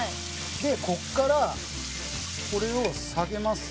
ここから、これを下げます。